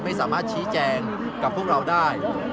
ไม่สามารถชี้แจงกับพวกเราได้